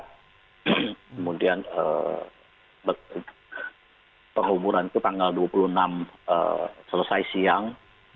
kemudian penguburan itu tanggal dua puluh enam selesai siang